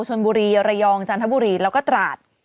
ชนบุรีระยองจันทบุรีแล้วก็ตราด